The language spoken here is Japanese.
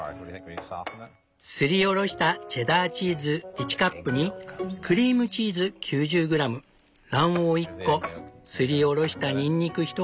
すりおろしたチェダーチーズ１カップにクリームチーズ９０グラム卵黄１個すりおろしたにんにく